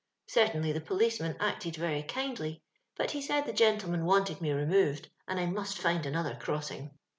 Certainly the policeman acted very kindly, but he said the gentleman wanted me removed, and I must find another crossing.